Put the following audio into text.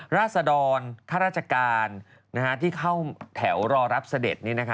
ราศดรข้าราชการที่เข้าแถวรอรับเสด็จ